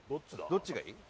どっちがいい？